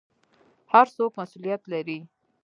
هر څوک مسوولیت لري